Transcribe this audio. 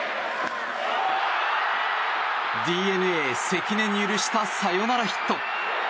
ＤｅＮＡ、関根に許したサヨナラヒット。